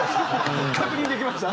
確認できました？